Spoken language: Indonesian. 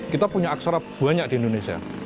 kita punya aksara banyak di indonesia